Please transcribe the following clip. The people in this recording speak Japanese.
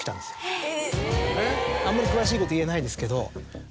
あんまり詳しいこと言えないですけど。